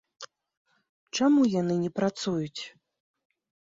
Чаму яны не працуюць?